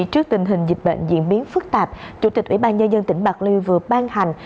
trước tình hình dịch bệnh diễn biến phức tạp chủ tịch ủy ban nhân dân tỉnh bạc liêu vừa ban hành